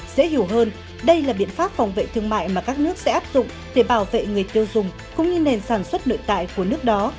dễ hiểu hơn đây là biện pháp phòng vệ thương mại mà các nước sẽ áp dụng để bảo vệ người tiêu dùng cũng như nền sản xuất nội tại của nước đó